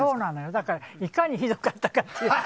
だからいかにひどかったかという。